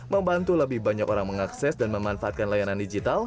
membantu lebih banyak orang mengakses dan memanfaatkan layanan digital